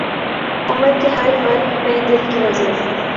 عمر کے ہر ورق پہ دل کی نظر